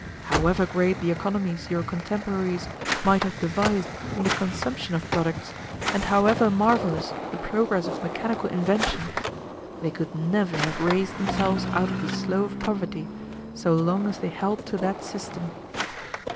However great the economies your contemporaries might have devised in the consumption of products, and however marvelous the progress of mechanical invention, they could never have raised themselves out of the slough of poverty so long as they held to that system.